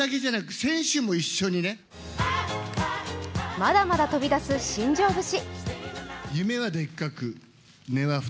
まだまだ飛び出す新庄節。